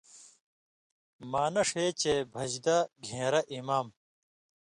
معنہ ݜے چے بھژدہ، گھین٘رہ (اِمام)